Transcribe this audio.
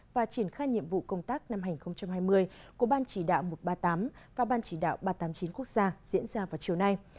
và triển khai nhiệm vụ công tác năm hai nghìn hai mươi của ban chỉ đạo một trăm ba mươi tám và ban chỉ đạo ba trăm tám mươi chín quốc gia diễn ra vào chiều nay